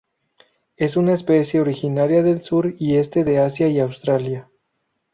Es una especie originaria del sur y este de Asia y Australia.